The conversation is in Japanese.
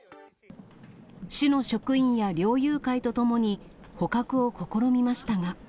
市の職員や猟友会と共に捕獲を試みましたが。